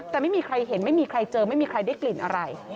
แต่ไม่มีใครเห็นไม่มีใครเจอไม่มีใครได้กลิ่นอะไร